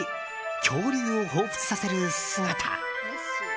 恐竜をほうふつさせる姿。